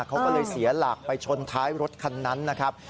เขาก็เลยเสียหลักไปชนท้ายรถคันนั้นนะครับ